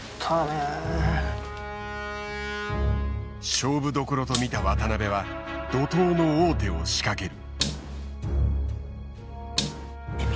勝負どころと見た渡辺は怒とうの王手を仕掛ける。